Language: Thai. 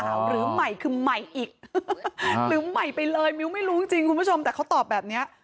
หรือใหม่คือใหม่อีกหรือใหม่ไปเลยมิ้วไม่รู้จริงจริงคุณผู้ชมแต่เขาตอบแบบเนี้ย